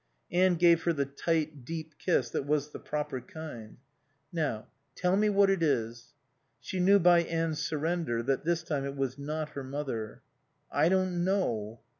Anne gave her the tight, deep kiss that was the proper kind. "Now tell me what it is." She knew by Anne's surrender that, this time, it was not her mother. "I don't know."